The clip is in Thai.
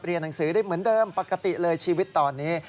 หนังสือได้เหมือนเดิมปกติเลยชีวิตตอนนี้